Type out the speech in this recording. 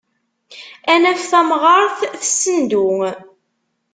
Ad naf tamɣart tessendu.